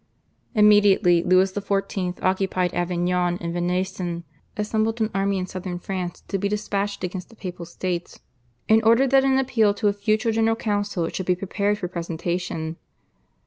Immediately Louis XIV. occupied Avignon and Venaissin, assembled an army in Southern France to be despatched against the Papal States, and ordered that an appeal to a future General Council should be prepared for presentation.